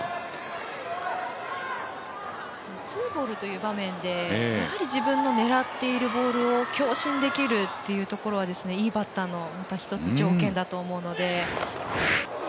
ツーボールという場面でやはり自分の狙っているボールを強振できるっていうところはいいバッターのまた一つ、条件だと思いますので。